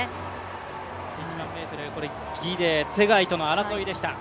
１００００ｍ、ツェガイとの戦いでした。